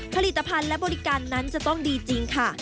ผลิตภัณฑ์และบริการนั้นจะต้องดีจริงค่ะ